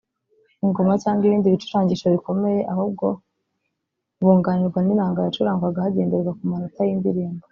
ingoma cyangwa ibindi bicurangisho bikomeye ahubwo bunganirwaga n’inanga yacurangwa hagendewe ku manota y’indirimbo